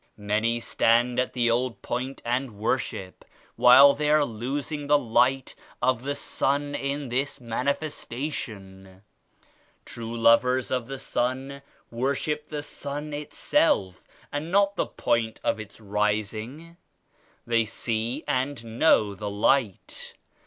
Many stand at the old point and worship while they are losing the Light of the Sun in this Manifestation. True lovers of the Sun worship the Sun Itself and not the point of Its rising. They see and know the Light.